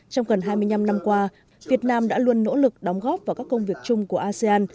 trong gần hai mươi năm năm qua việt nam đã luôn nỗ lực đóng góp vào các công việc chung của asean